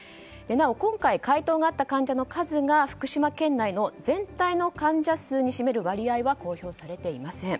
なお、今回回答があった患者の数が福島県内の全体の割合に占める感染者数かは公表されていません。